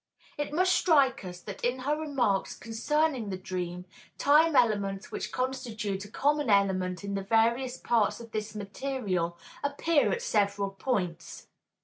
It must strike us that in her remarks concerning the dream, time elements which constitute a common element in the various parts of this material appear at several points.